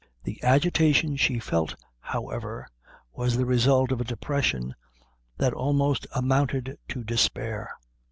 The agitation she felt, however, was the result of a depression that almost amounted to despair.